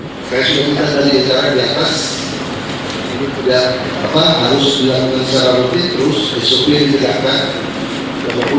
kepala rutan dan lapas harus dilakukan secara rutin terus disukai di dekat